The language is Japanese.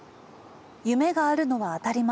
夢があるのは当たり前。